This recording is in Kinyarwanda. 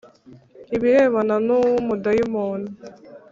ibirebana n ‘umudayimoni.